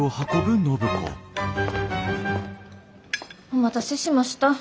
お待たせしました。